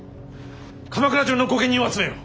鎌倉中の御家人を集めよ。